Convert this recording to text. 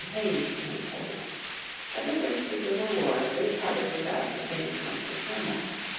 Hayes became President. Ever since the Civil War a great part of the South had been in constant turmoil.